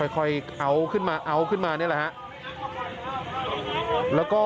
ค่อยเอาขึ้นมาเอาขึ้นมานี่แหละฮะ